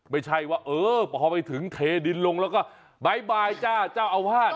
ไม่ใช่ว่าเออพอไปถึงเทดินลงแล้วก็บ๊ายบายจ้าเจ้าอาวาส